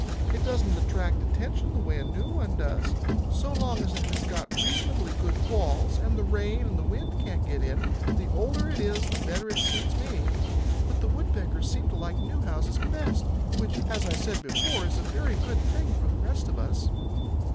It doesn't attract attention the way a new one does. So long as it has got reasonably good walls, and the rain and the wind can't get in, the older it is the better it suits me. But the Woodpeckers seem to like new houses best, which, as I said before, is a very good thing for the rest of us."